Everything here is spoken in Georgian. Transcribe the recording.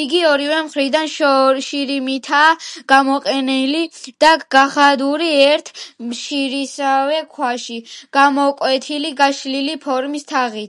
იგი ორივე მხრიდან შირიმითაა გამოყვანილი და გადახურული ერთ, შირიმისავე ქვაში გამოკვეთილი, გაშლილი ფორმის თაღით.